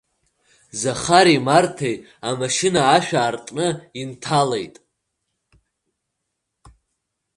Захари Марҭеи амашьына ашә аартны инҭалеит.